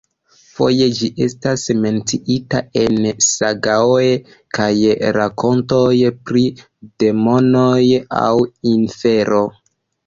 Foje ĝi estas menciita en sagaoj kaj rakontoj pri demonoj aŭ infero.